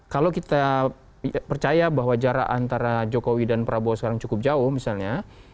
kalau kita percaya bahwa jarak antara jokowi dan prabowo sekarang cukup jauh misalnya